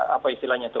apa istilahnya itu